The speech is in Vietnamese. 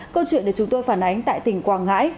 câu chuyện được chúng tôi phản ánh tại tỉnh quảng ngãi